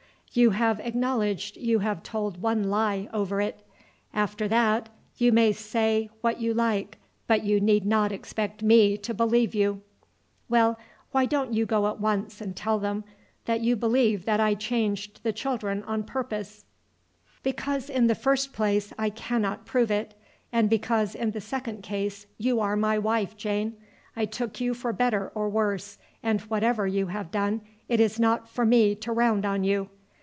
"You have acknowledged you have told one lie over it; after that you may say what you like, but you need not expect me to believe you." "Well, why don't you go at once and tell them that you believe that I changed the children on purpose?" "Because in the first place I cannot prove it, and because in the second case you are my wife, Jane. I took you for better or worse, and whatever you have done it is not for me to round on you.